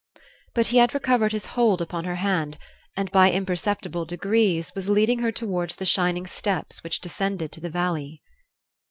But he had recovered his hold upon her hand, and by imperceptible degrees was leading her toward the shining steps which descended to the valley.